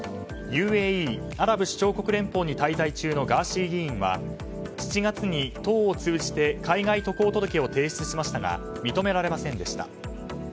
ＵＡＥ・アラブ首長国連邦に滞在中のガーシー議員は７月に党を通じて海外渡航届を提出しましたが認められませんでした。